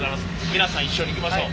皆さん一緒にいきましょう。